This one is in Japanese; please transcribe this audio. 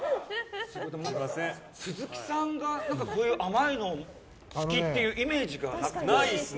鈴木さんがこういう甘いのが好きっていうないですね。